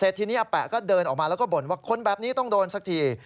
ทีนี้อาแปะก็เดินออกมาแล้วก็บ่นว่าคนแบบนี้ต้องโดนสักที